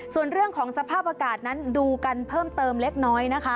ส่วนเรื่องของสภาพอากาศนั้นดูกันเพิ่มเติมเล็กน้อยนะคะ